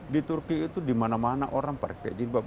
di turki itu dimana mana orang pakai jilbab